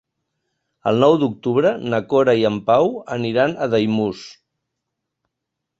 El nou d'octubre na Cora i en Pau aniran a Daimús.